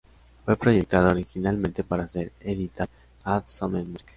Fue proyectada originalmente para ser editada en "Add Some Music".